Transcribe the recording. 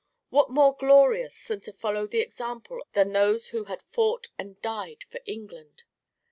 What more glorious than to follow the example of those who had fought and died for England?